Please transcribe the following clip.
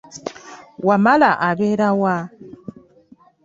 Wamala abeera wa?